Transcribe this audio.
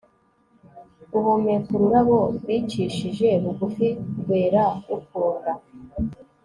Guhumeka ururabo rwicishije bugufi rwera rukunda